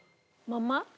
まんま？